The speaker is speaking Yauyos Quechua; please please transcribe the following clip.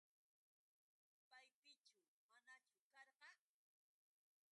¿Paypichu manachu karqa?